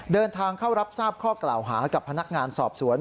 เดินทางเข้ารับทราบข้อกล่าวหากับพนักงานสอบสวน